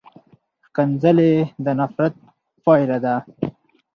ښکنځلې د نفرت پایله ده.